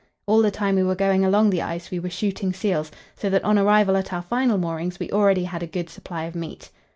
All the time we were going along the ice we were shooting seals, so that on arrival at our final moorings we already had a good supply of meat.